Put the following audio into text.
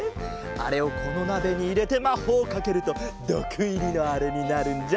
あれをこのなべにいれてまほうをかけるとどくいりのあれになるんじゃ。